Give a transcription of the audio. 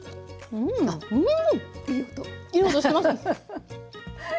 うん。